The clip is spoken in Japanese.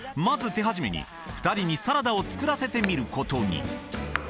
まず手始めに２人にサラダを作らせてみることに。